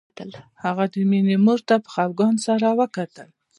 هغه د مينې مور ته په خپګان سره وکتل